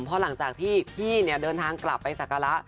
เพราะหลังจากที่พี่เดินทางกลับไปศักระ